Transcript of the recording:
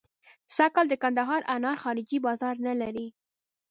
سږکال د کندهار انار خارجي بازار نه لري.